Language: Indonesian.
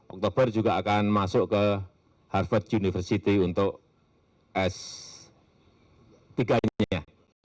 oktober juga akan masuk ke harvard university untuk s tiga ininya